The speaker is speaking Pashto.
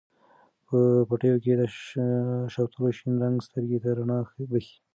په پټیو کې د شوتلو شین رنګ سترګو ته رڼا بښي.